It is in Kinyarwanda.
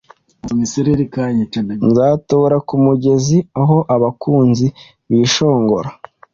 Nzatobora kumugezi Aho abakunzi bishongora